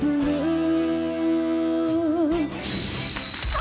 あ！